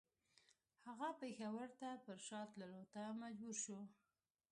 هغه پېښور ته پر شا تللو ته مجبور شو.